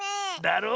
だろ？